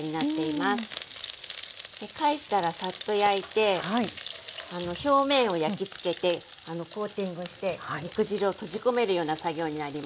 で返したらサッと焼いて表面を焼きつけてコーティングして肉汁を閉じ込めるような作業になります。